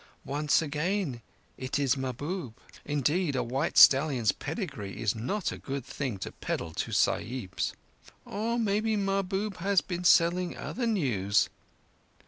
"Once again it is Mahbub. Indeed a white stallion's pedigree is not a good thing to peddle to Sahibs! Or maybe Mahbub has been selling other news.